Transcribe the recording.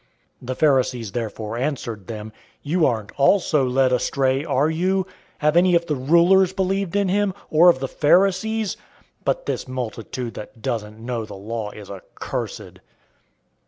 007:047 The Pharisees therefore answered them, "You aren't also led astray, are you? 007:048 Have any of the rulers believed in him, or of the Pharisees? 007:049 But this multitude that doesn't know the law is accursed."